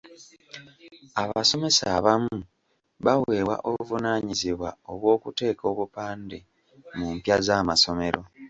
Abasomesa abamu baweebwa obuvunaanyizibwa obw’okuteeka obupande mu mpya z’amasomero.